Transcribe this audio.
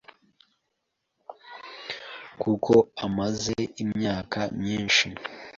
kuko amaze imyaka myinshi